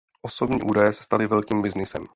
Osobní údaje se staly velkým byznysem.